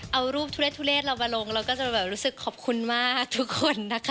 เอารูปทุเลสเรามาลงแล้วก็จะรู้สึกแบบขอบคุณมากทุกคนนะคะ